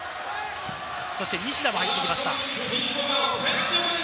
西田も入ってきました。